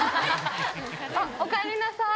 あっ、おかえりなさい。